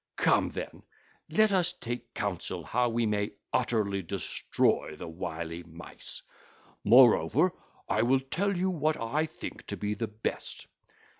Come then; let us take counsel how we may utterly destroy the wily Mice. Moreover, I will tell you what I think to be the best.